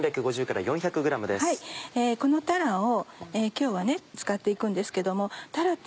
このたらを今日はね使って行くんですけどもたらって